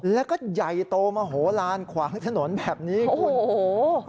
แล้วก็ใหญ่โตมโหลานขวางถนนแบบนี้คุณโอ้โห